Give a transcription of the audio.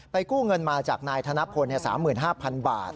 กู้เงินมาจากนายธนพล๓๕๐๐๐บาท